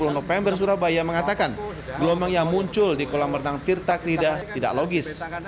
seluruh november surabaya mengatakan gelombang yang muncul di kolam renang tirtaglida tidak logis